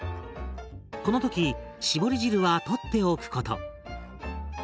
この時絞り汁はとっておくこと。